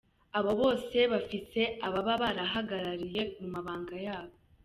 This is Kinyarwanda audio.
Abo bose bafise ababa barabahagarariye mu mabanga yabo.